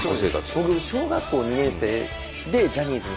僕小学校２年生でジャニーズに入ったので。